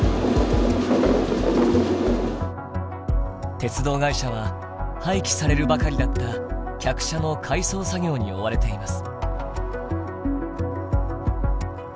鉄道会社は廃棄されるばかりだった客車の改装作業に追われています。